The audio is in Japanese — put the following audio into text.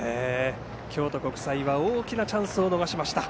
京都国際は大きなチャンスを逃しました。